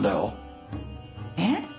えっ！？